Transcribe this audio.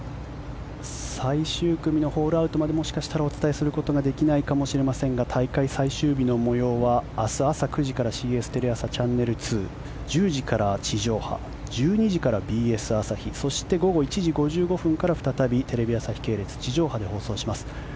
最終組のホールアウトまでもしかしたらお伝えすることができないかもしれませんが大会最終日の模様は明日朝９時からＣＳテレ朝チャンネル２１０時からは地上波１２時からはＢＳ朝日そして、午後１時５５分から再びテレビ朝日系列地上波でお伝えします。